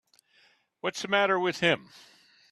What's the matter with him.